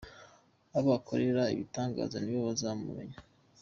Abo akorera ibitangaza nibo bazamumenya